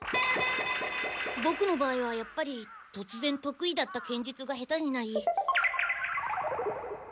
ボクの場合はやっぱりとつぜんとくいだった剣術が下手になり。